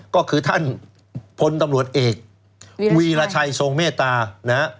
ก็คือท่านพลตำรวจเอกวีรชัยทรงเมตตานะฮะ